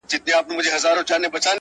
چي مو ښارته ده راغلې یوه ښکلې.!